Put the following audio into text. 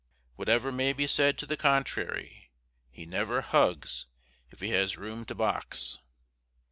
Whatever may be said to the contrary, he never "hugs" if he has room to box.